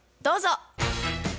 どうぞ。